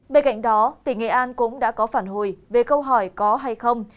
bên cạnh đó tỉnh nghệ an cũng đã có phản hồi về câu hỏi có hay không